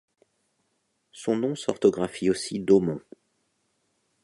Son nom s'orthographie aussi Daumont.